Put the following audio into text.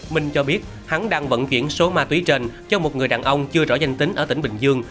minh cho biết hắn đang vận chuyển số ma túy trên cho một người đàn ông chưa rõ danh tính ở tỉnh bình dương